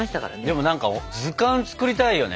でも何か図鑑作りたいよね。